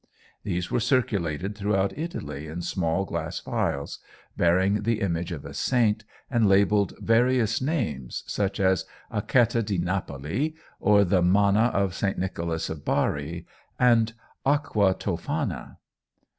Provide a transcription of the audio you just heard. These were circulated throughout Italy in small glass phials, bearing the image of a saint, and labelled various names such as "Acquetta di Napoli," or the "Manna of St. Nicholas of Bari," and "Aqua Toffana."